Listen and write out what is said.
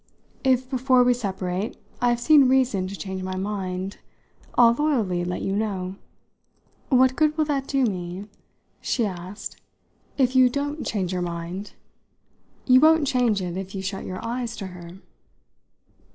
If before we separate I've seen reason to change my mind, I'll loyally let you know." "What good will that do me," she asked, "if you don't change your mind? You won't change it if you shut your eyes to her."